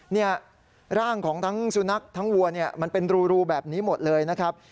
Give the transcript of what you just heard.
เนี่ยร่างของทั้งสุนัขทั้งวัวเนี่ยมันเป็นรูแบบนี้หมดเลยนะครับ